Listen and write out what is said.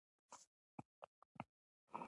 مدیریت د انساني او مادي ځواکونو همغږي کول دي.